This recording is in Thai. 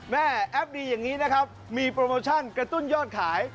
แอปดีอย่างนี้นะครับมีโปรโมชั่นกระตุ้นยอดขาย